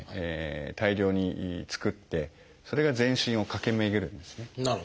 大量に作ってそれが全身を駆け巡るんですね。